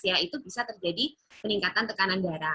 yaitu bisa terjadi peningkatan tekanan darah